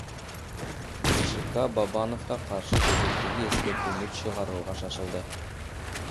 БШК Бабановго каршы кезектеги эскертүүнү чыгарууга шашылды.